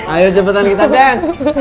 ayo cepetan kita dance